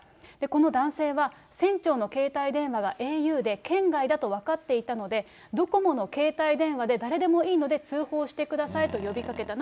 この男性は船長の携帯電話がａｕで、圏外だと分かっていたので、ドコモの携帯電話で誰でもいいので、通報してくださいと呼びかけた。